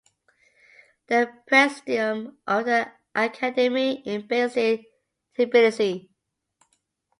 The Presidium of the Academy is based in Tbilisi.